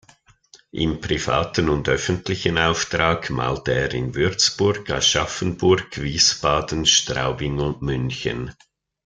Im privaten und öffentlichen Auftrag malte er in Würzburg, Aschaffenburg, Wiesbaden, Straubing und München.